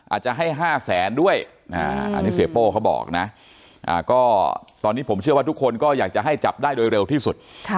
อาจจะให้๕แสนด้วยอันนี้เสียโป้เขาบอกนะก็ตอนนี้ผมเชื่อว่าทุกคนก็อยากจะให้จับได้โดยเร็วที่สุด